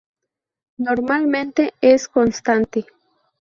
Normalmente es constante.